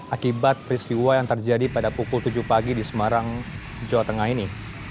akibat peristiwa yang terjadi pada pukul tujuh pagi di semarang jawa tengah ini